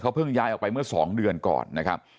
เพิ่งย้ายออกไปเมื่อ๒เดือนก่อนนะครับ